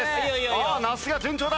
ああ那須が順調だ。